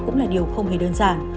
đó cũng là điều không hề đơn giản